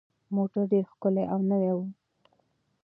موټر ډېر ښکلی او نوی و.